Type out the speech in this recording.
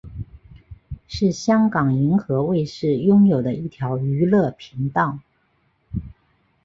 是香港银河卫视拥有的一条娱乐频道。